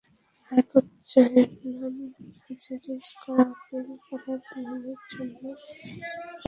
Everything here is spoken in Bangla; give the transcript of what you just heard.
হাইকোর্টে জয়নাল হাজারীর করা আপিল আবার শুনানির জন্য আপিল বিভাগ নির্দেশ দিয়েছেন।